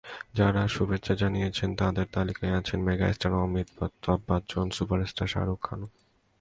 যারা শুভেচ্ছা জানিয়েছেন, তাঁদের তালিকায় আছেন মেগাস্টার অমিতাভ বচ্চন, সুপারস্টার শাহরুখ খানও।